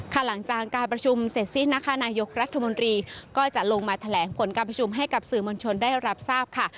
ค่ะหลังจากการประชุมเศรษฐ์ซิทธิ์นาคารายกรัฐมนตรีก็จะลงมาแถลงผลการประชุมให้กับสมชลได้รับทราบค่ะ